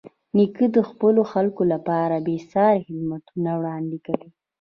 نیکه د خپلو خلکو لپاره بېساري خدمتونه وړاندې کوي.